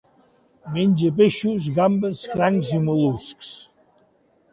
Menja peixos, gambes, crancs i mol·luscs.